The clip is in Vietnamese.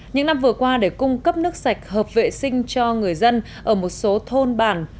những năm vừa qua để cung cấp nước sạch hợp vệ sinh cho người dân ở một số thôn bản